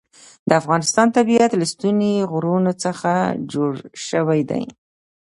د افغانستان طبیعت له ستوني غرونه څخه جوړ شوی دی.